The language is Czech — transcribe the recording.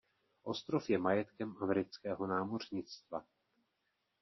Ostrov je majetkem amerického námořnictva.